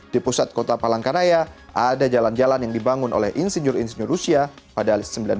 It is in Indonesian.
di pusat kota palangkaraya ada jalan jalan yang dibangun oleh insinyur insinyur rusia pada az seribu sembilan ratus sembilan puluh